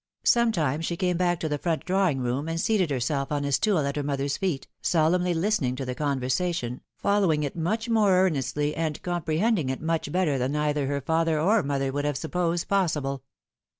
Sometimes she came back to the front drawing room, and seated herself on a stool at her mother's feet, solemnly listening to the conversation, follow ing it much more earnestly, and comprehending it much better, than either her f athe or mother would have supposed possible.